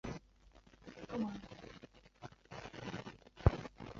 罗志祥担任教头亲自选择队员。